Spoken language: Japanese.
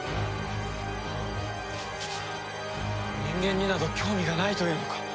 人間になど興味がないというのか！？